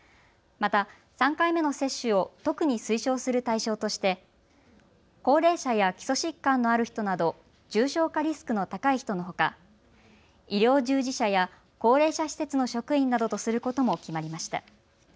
また３回目の接種を特に推奨する対象として高齢者や基礎疾患のある人など重症化リスクの高い人のほか医療従事者や高齢者施設の職員などとすることも決まりました。